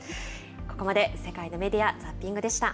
ここまで世界のメディア・ザッピングでした。